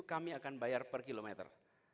kami akan bayar per kilometer